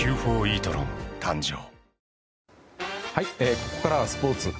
ここからはスポーツ。